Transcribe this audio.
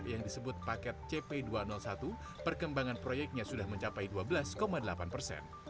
yang disebut paket cp dua ratus satu perkembangan proyeknya sudah mencapai dua belas delapan persen